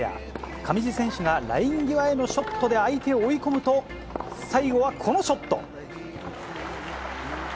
上地選手がライン際へのショットで相手を追い込むと、最後はこのショット。